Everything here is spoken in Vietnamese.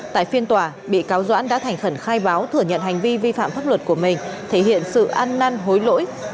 tại phiên tòa bị cáo doãn đã thành khẩn khai báo thừa nhận hành vi vi phạm pháp luật của mình thể hiện sự ăn năn hối lỗi